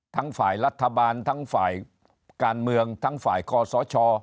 ทั้งฝ่ายรัฐบาลทั้งฝ่ายการเมืองทั้งฝ่ายคอสช